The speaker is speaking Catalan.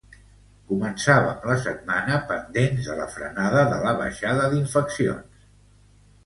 Començàvem la setmana pendents de la frenada de la baixada d’infeccions.